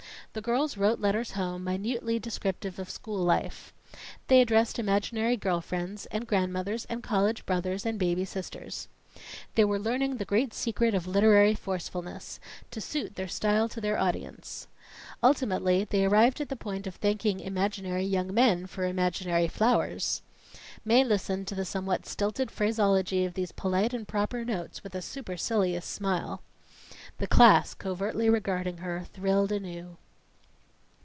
The girls wrote letters home, minutely descriptive of school life. They addressed imaginary girl friends, and grandmothers and college brothers and baby sisters. They were learning the great secret of literary forcefulness to suit their style to their audience. Ultimately, they arrived at the point of thanking imaginary young men for imaginary flowers. Mae listened to the somewhat stilted phraseology of these polite and proper notes with a supercilious smile. The class, covertly regarding her, thrilled anew.